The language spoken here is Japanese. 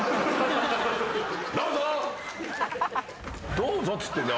どうぞっつってんだよ。